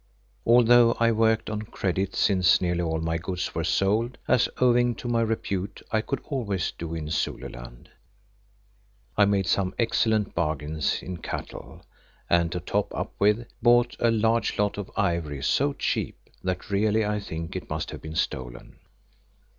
Although I worked on credit since nearly all my goods were sold, as owing to my repute I could always do in Zululand, I made some excellent bargains in cattle, and to top up with, bought a large lot of ivory so cheap that really I think it must have been stolen.